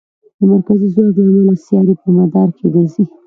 د مرکزي ځواک له امله سیارې په مدار کې ګرځي.